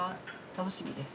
楽しみです。